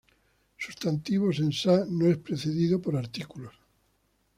Sustantivos en Sa no es precedido por artículos.